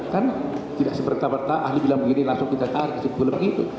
kan tidak seperti ahli bilang begini langsung kita tarik